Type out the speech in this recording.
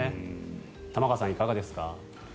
玉川さん、いかがですか？